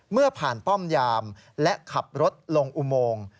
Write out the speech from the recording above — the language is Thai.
เมื่อผ่านป้อมยามและขับรถลงอุโมง